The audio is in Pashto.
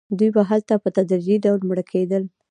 دوی به هلته په تدریجي ډول مړه کېدل.